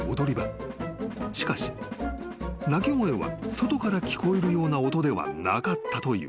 ［しかし鳴き声は外から聞こえるような音ではなかったという］